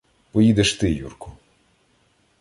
— Поїдеш ти, Юрку.